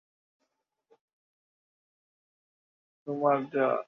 মহানগর হাকিম সাব্বির ইয়াসির আহসান চৌধুরী চার দিনের রিমান্ড মঞ্জুর করেন।